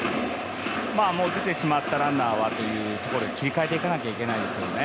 もうでてしまったランナーはというところで切り替えていかなきゃいけないですよね。